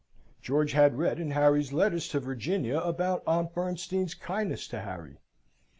George had read in Harry's letters to Virginia about Aunt Bernstein's kindness to Harry.